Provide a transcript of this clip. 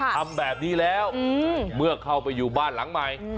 ทำแบบนี้แล้วเมื่อเข้าไปอยู่บ้านหลังใหม่